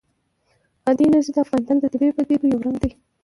بادي انرژي د افغانستان د طبیعي پدیدو یو رنګ دی.